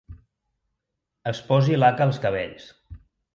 Es posi laca als cabells.